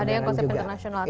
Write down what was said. ada yang konsep internasional